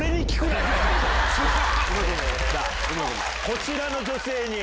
こちらの女性に！